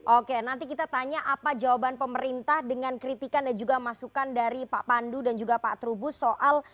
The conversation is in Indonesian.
oke nanti kita tanya apa jawaban pemerintah dengan kritikan dan juga masukan dari pak pandu dan juga pak trubus soal